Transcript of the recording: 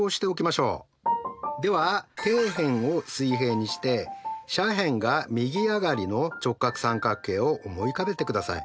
では底辺を水平にして斜辺が右上がりの直角三角形を思い浮かべてください。